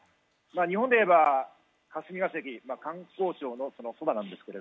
日本で言えば霞が関、官公庁のそばです。